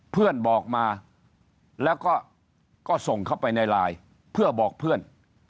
เพื่อนบอกมาแล้วก็ส่งเข้าไปในไลน์เพื่อบอกเพื่อน